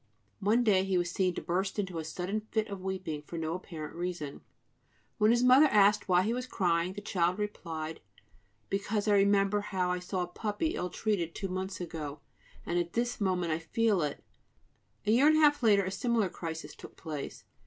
One day he was seen to burst into a sudden fit of weeping, for no apparent reason. When his mother asked why he was crying, the child replied: "Because I remember how I saw a puppy ill treated two months ago, and at this moment I feel it." A year and a half later a similar crisis took place.